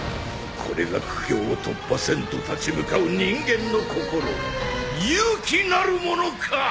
これが苦境を突破せんと立ち向かう人間の心勇気なるものか！